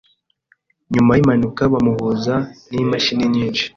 Nyuma yimpanuka, bamuhuza nimashini nyinshi.